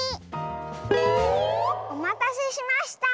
おまたせしました！